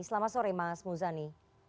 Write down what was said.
selamat sore mas muzani